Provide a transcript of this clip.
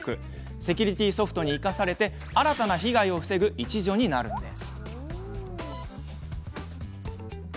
セキュリティーソフトに生かされて新たな被害を防ぐ一助になるんです。